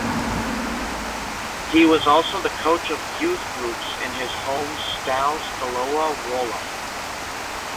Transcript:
He was also the coach of youth groups in his home Stal Stalowa Wola.